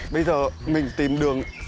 bây giờ mình tìm đường